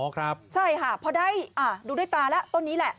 ใช่ค่ะพอได้ดูด้วยตาแล้วต้นนี้แหละ